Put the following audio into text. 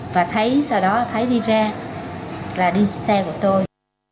và sau đó thấy đi ra là đi xe của tôi